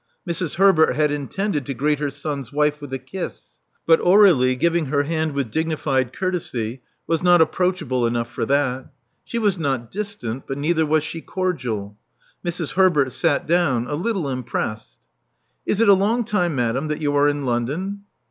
Mrs. Herbert had intended to greet her son's wife with a kiss. But Aurdlie, giving her hand with dignified courtesy, was not approachable enough for that. She was not distant; but neither was she cordial. Mrs. Herbert sat down, a little impressed. Is it a long time, madame, that you are in London?"